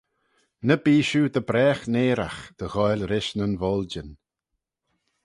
Ny bee shiu dy bragh nearagh dy ghoaill rish nyn voiljyn.